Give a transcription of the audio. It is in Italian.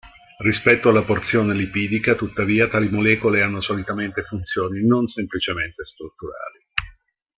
Rispetto alla porzione lipidica, tuttavia, tali molecole hanno solitamente funzioni non semplicemente strutturali.